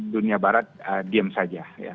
dunia barat diem saja